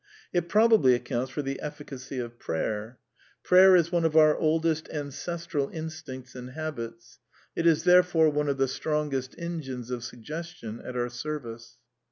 It probably accounts for the efSesLcfj of prayer. Prayer is one of our oldest ancestral instincts / and habits; it is therefore one of the strongest engines of i suggestion at our service.